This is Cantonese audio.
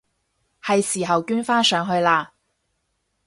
係時候捐返上去喇！